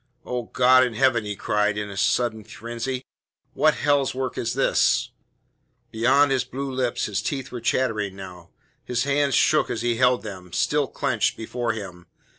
"Oh, God in heaven!" he cried in a sudden frenzy. "What hell's work is this?" Behind his blue lips his teeth were chattering now. His hands shook as he held them, still clenched, before him.